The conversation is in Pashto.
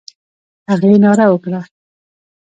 هغې ناره وکړه: